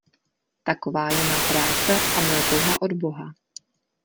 Taková je má práce a moje touha od boha.